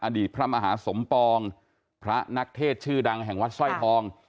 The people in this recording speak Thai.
พระมหาสมปองพระนักเทศชื่อดังแห่งวัดสร้อยทอง